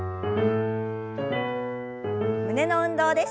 胸の運動です。